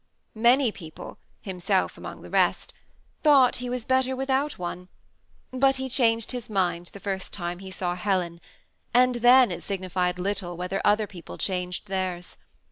Many people (himself among the rest) thought he was better without one ; but he changed his mind the first time he saw Helen, and then it signified little whether other people changed theirs.